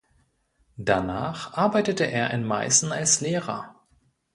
Danach arbeitete er in Meißen als Lehrer.